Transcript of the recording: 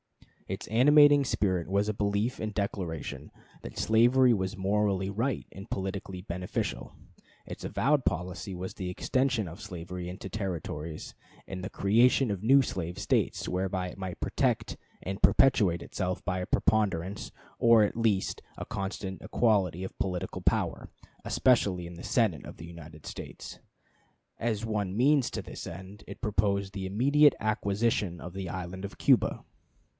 Its animating spirit was a belief and declaration that slavery was morally right and politically beneficial; its avowed policy was the extension of slavery into the Territories, and the creation of new slave States, whereby it might protect and perpetuate itself by a preponderance, or at least a constant equality, of political power, especially in the Senate of the United States. As one means to this end, it proposed the immediate acquisition of the island of Cuba.